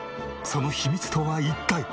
その秘密とは一体。